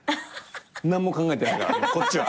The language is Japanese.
何も考えてないからこっちは。